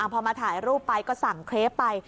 พอมาถ่ายรูปไปก็สั่งเครปไป